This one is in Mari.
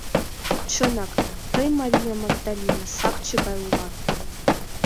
Чынак, тый, Мария Магдалина, сакче гай улат.